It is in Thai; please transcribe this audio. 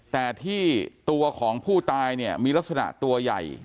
แต่ที่ตัวของผู้ตายเนี่ยมีลักษณะตัวใหญ่